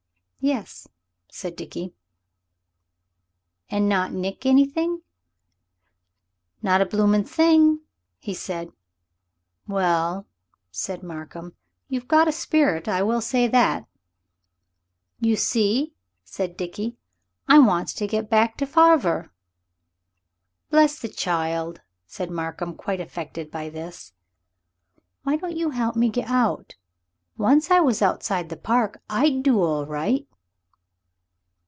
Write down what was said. "Yes," said Dickie. "And not nick anything?" "Not a bloomin' thing," said he. "Well," said Markham, "you've got a spirit, I will say that." "You see," said Dickie, "I wants to get back to farver." "Bless the child," said Markham, quite affected by this. "Why don't you help me get out? Once I was outside the park I'd do all right."